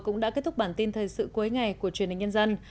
cũng đã kết thúc bản tin thời sự cuối ngày của truyền hình nhân dân